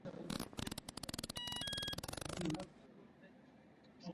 The impacts of actions are measured using Smiddy "indicators".